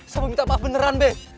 sama minta maaf beneran be